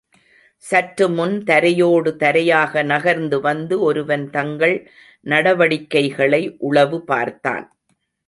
சற்றுமுன் தரையோடு தரையாக நகர்ந்து வந்து ஒருவன் தங்கள் நடவடிக்கைகளை உளவு பார்த்தான்.